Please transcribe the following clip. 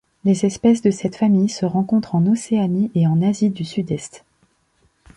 Les espèces de cette famille se rencontrent en Océanie et en Asie du Sud-Est.